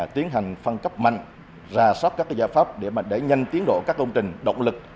tiến hành phân cấp mạnh ra soát các giải pháp để đẩy nhanh tiến độ các công trình động lực